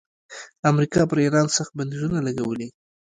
امریکا پر ایران سخت بندیزونه لګولي.